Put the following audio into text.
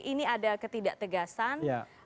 ini ada ketidak tegasan